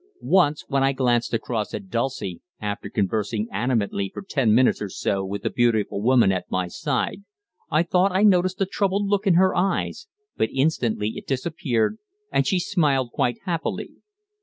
Once, when I glanced across at Dulcie, after conversing animatedly for ten minutes or so with the beautiful woman at my side, I thought I noticed a troubled look in her eyes, but instantly it disappeared, and she smiled quite happily.